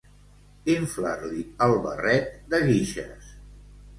Inflar-li el barret de guixes.